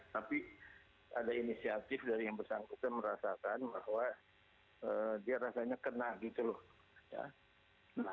tapi ada inisiatif dari yang bersangkutan merasakan bahwa dia rasanya kena gitu loh